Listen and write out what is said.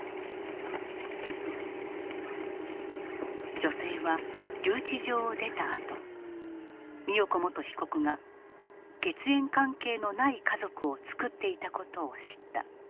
女性は留置場を出たあと美代子元被告が血縁関係のない家族を作っていた事を知った。